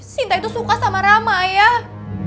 sinta itu suka sama rama ayah